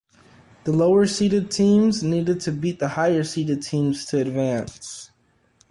The lower seeded teams needed to beat the higher seeded team to advance.